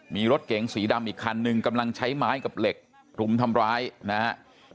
มีรถเก๋งสีดำอีกคันนึงกำลังใช้ไม้กับเหล็กรุมทำร้ายนะครับ